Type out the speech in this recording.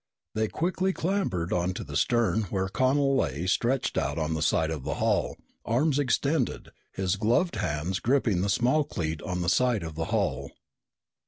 They quickly clambered onto the stern where Connel lay stretched out on the side of the hull, arms extended, his gloved hands gripping the small cleat on the side of the hull.